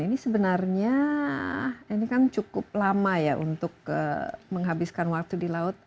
ini sebenarnya ini kan cukup lama ya untuk menghabiskan waktu di laut